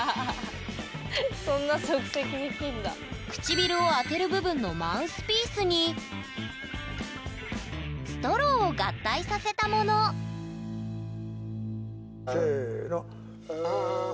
唇を当てる部分のマウスピースにストローを合体させたものせの！